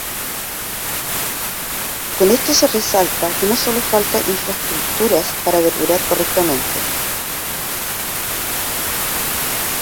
Con esto se resalta que no solo falta infraestructuras para depurar correctamente